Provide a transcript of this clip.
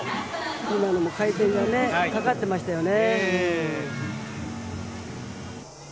今のも回転がかかってましたよね。